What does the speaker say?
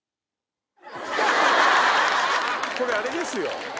これあれですよ